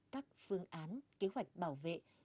các phương án kế hoạch bảo vệ